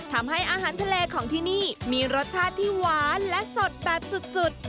ทำให้อาหารทะเลของที่นี่มีรสชาติที่หวานและสดแบบสุด